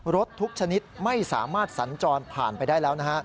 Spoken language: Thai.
รถทุกชนิดไม่สามารถสัญจรผ่านไปได้แล้วนะฮะ